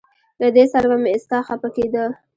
له دې سره به مې استاد خپه کېده.